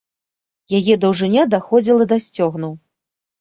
Яе даўжыня даходзіла да сцёгнаў.